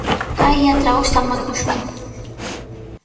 Kayllatraw samakushun.